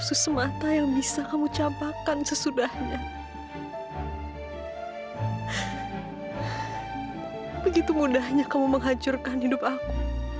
sudah hanya kamu menghancurkan hidup aku